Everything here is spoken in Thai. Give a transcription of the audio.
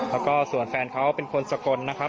แล้วก็ส่วนแฟนเขาเป็นคนสกลนะครับ